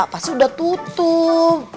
pasti sudah tutup